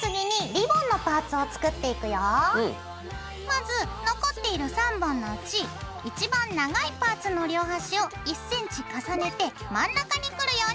まず残っている３本のうちいちばん長いパーツの両端を１ｃｍ重ねて真ん中にくるように持ちます。